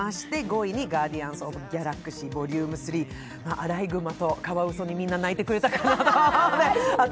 アライグマとカワウソにみんな泣いてくれたかな。